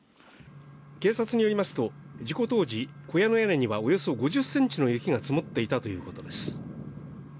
警察によりますと、事故当時、小屋の屋根にはおよそ５０ｃｍの雪が積もっていたということです。